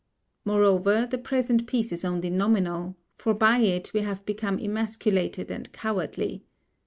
Moreover, the present peace is only nominal, for by it we have become emasculated and cowardly.